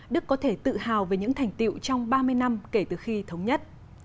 đức có thể tự hào về những thành tiệu trong ba mươi năm kể từ khi thống nhất